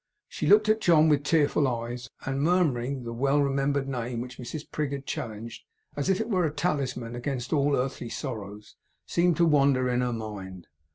She looked at John with tearful eyes, and murmuring the well remembered name which Mrs Prig had challenged as if it were a talisman against all earthly sorrows seemed to wander in her mind.